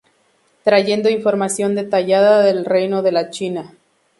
Trayendo información detallada del reino de la China.